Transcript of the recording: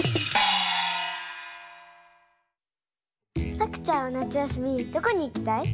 さくちゃんはなつやすみどこにいきたい？